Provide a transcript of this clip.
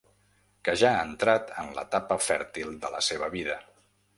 Que ja ha entrat en l'etapa fèrtil de la seva vida.